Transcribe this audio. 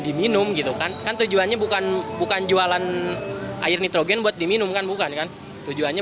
diminum gitu kan kan tujuannya bukan bukan jualan air nitrogen buat diminum kan bukan kan tujuannya